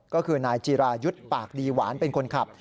ก็คือนายจิรายุทธ์ปากดีหวานเป็นคนขับ